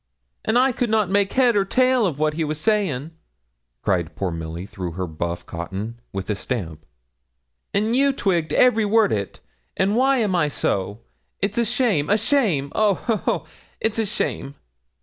'And I could not make head or tail of what he was saying,' cried poor Milly through her buff cotton, with a stamp; 'and you twigged every word o't. An' why am I so? It's a shame a shame! Oh, ho, ho! it's a shame!'